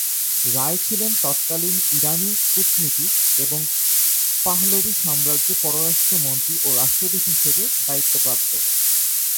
রায় ছিলেন তৎকালীন ইরানি কূটনীতিক এবং পাহলভি সাম্রাজ্যে পররাষ্ট্র মন্ত্রী ও রাষ্ট্রদূত হিসেবে দায়িত্বপ্রাপ্ত।